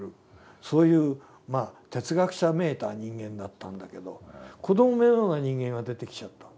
そういう哲学者めいた人間だったんだけど子どものような人間が出てきちゃった。